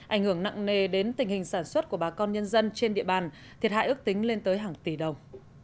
ảnh hưởng nặng nề đến tình hình sản xuất của bà con nhân dân trên địa bàn thiệt hại ước tính lên tới hàng tỷ đồng